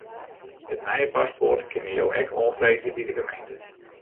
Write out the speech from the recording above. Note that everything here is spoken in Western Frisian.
It nije paspoart kinne jo ek oanfreegje by de gemeente.